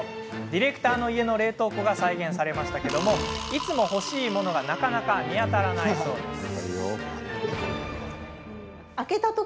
ディレクターの家の冷凍庫が再現されていますがいつも欲しいものがなかなか見当たらないそうです。